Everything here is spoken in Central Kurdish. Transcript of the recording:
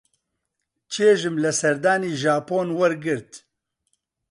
چێژم لە سەردانی ژاپۆن وەرگرت.